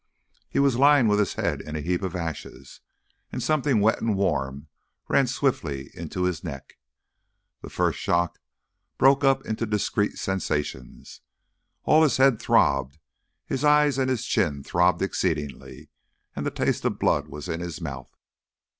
He was lying with his head in a heap of ashes, and something wet and warm ran swiftly into his neck. The first shock broke up into discrete sensations. All his head throbbed; his eye and his chin throbbed exceedingly, and the taste of blood was in his mouth.